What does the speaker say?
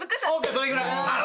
それぐらい。